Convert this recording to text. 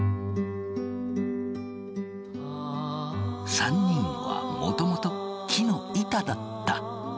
３人はもともと木の板だった。